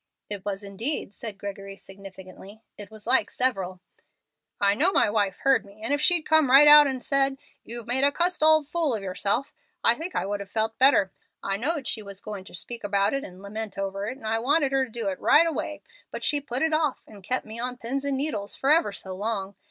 "It was, indeed," said Gregory, significantly. "It was like several." "I knowed my wife heard me, and if she'd come right out and said, 'You've made a cussed old fool of yourself,' I think I would have felt better. I knowed she was goin' to speak about it and lament over it, and I wanted her to do it right away; but she put it off, and kept me on pins and needles for ever so long.